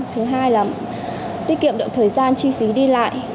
thứ hai là tiết kiệm được thời gian chi phí đi lại